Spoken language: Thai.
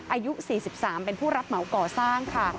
อายุ๔๓เป็นผู้รับเหมาก่อสร้างค่ะ